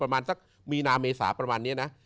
ประมาณสักมีนาเมษาประมาณนี้นะ